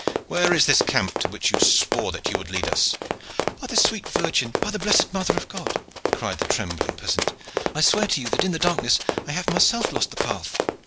"Where is this camp to which you swore that you would lead us?" "By the sweet Virgin! By the blessed Mother of God!" cried the trembling peasant, "I swear to you that in the darkness I have myself lost the path."